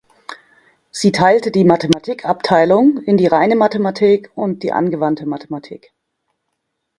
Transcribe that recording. Sie teilte die Mathematikabteilung in die Reine Mathematik und die Angewandte Mathematik.